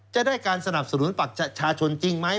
จะได้การสนับสนุนบัตรประชาชนจริงไหม